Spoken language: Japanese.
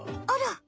あら。